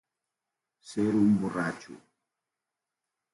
Ser un borratxo